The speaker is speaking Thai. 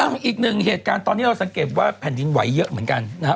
อีกหนึ่งเหตุการณ์ตอนนี้เราสังเกตว่าแผ่นดินไหวเยอะเหมือนกันนะฮะ